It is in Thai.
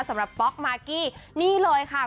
สำหรับป๊อกมากกี้นี่เลยค่ะ